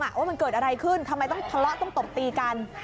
ว่ามันเกิดอะไรขึ้นทำไมต้องทะเลาะต้องตบตีกัน